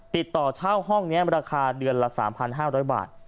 ติดต่อเช่าห้องนี้ราคาเดือนละ๓๕๐๐บาท